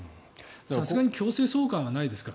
さすがに強制送還はないですか？